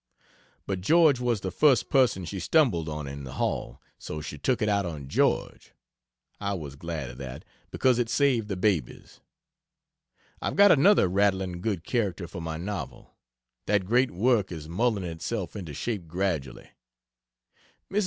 But George was the first person she stumbled on in the hall, so she took it out of George. I was glad of that, because it saved the babies. I've got another rattling good character for my novel! That great work is mulling itself into shape gradually.